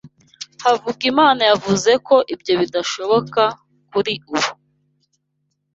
Havugimana yavuze ko ibyo bidashoboka kuri ubu